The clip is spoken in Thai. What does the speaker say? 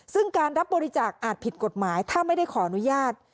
ซึ่งการรับบริจาคอาจผิดกฎหมายถ้าไม่ได้ขออนุญาต